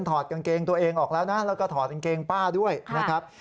ถอดกางเกงตัวเองออกแล้วนะแล้วก็ถอดกางเกงป้าด้วยนะครับ